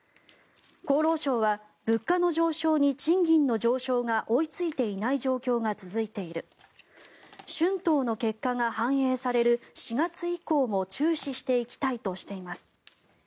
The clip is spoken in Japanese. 厚労省は物価の上昇に賃金の上昇が追いついていない状況が続いている春闘の結果が反映される４月以降も注視してきたいとしています。